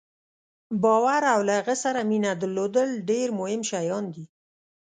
باور او له هغه سره مینه درلودل ډېر مهم شیان دي.